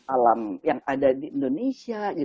alam yang ada di indonesia